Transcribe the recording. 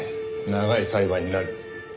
長い裁判になる。